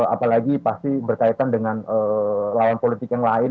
apalagi pasti berkaitan dengan lawan politik yang lain